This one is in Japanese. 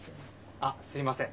あっすいません。